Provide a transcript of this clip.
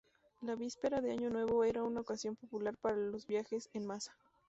La víspera de Año Nuevo era una ocasión popular para los viajes en masa.